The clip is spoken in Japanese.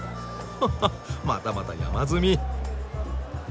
ははっまたまた山積み！